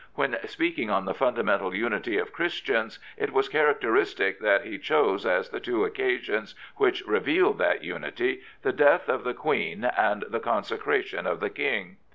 When speaking on the fundamental unity of Christians, it was characteristic that he chose as the two occasions which revealed that unity the death of the Queen and the consecration of the King.